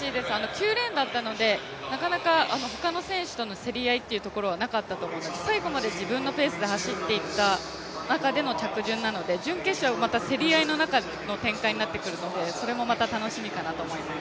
９レーンだったのでなかなか他の選手との競り合いというところはなかったんですけど最後まで自分のペースで走った中での着順なので準決勝、また競り合いの中での展開になっていくのでそれもまた楽しみかなと思います。